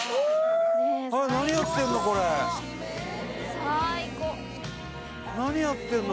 最高何やってんの？